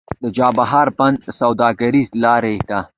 د چابهار بندر سوداګریزه لاره ده